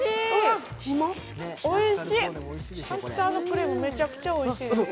おいしっ、カスタードクリームめちゃくちゃおいしいです。